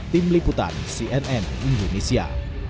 tim liputan cnn indonesia